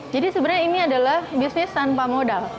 jadi sebenarnya ini adalah bisnis tanpa modal